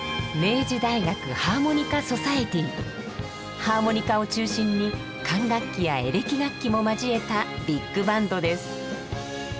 ハーモニカを中心に管楽器やエレキ楽器も交えたビッグバンドです。